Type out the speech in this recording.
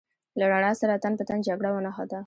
له رڼا سره تن په تن جګړه ونښته.